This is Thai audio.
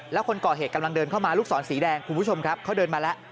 แล้วคนก่อเหตุกำลังเดินเข้ามาลูกศรสีแดงคุณผู้ชมครับเขาเดินมาแล้ว